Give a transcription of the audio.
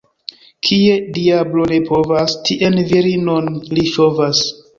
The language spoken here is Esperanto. Kie diablo ne povas, tien virinon li ŝovas.